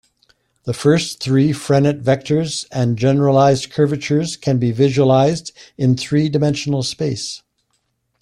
The first three Frenet vectors and generalized curvatures can be visualized in three-dimensional space.